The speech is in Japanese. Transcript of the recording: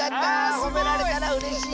ほめられたらうれしい！